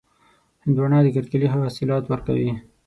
هندوانه د کرکېلې ښه حاصلات ورکوي.